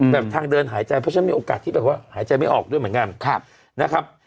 ทางเดินหายใจเพราะฉะนั้นมีโอกาสที่แบบว่าหายใจไม่ออกด้วยเหมือนกันนะครับ